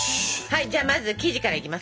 じゃあまず生地からいきますか！